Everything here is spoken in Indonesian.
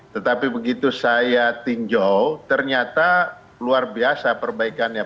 tetapi begitu saya tinjau ternyata luar biasa perbaikannya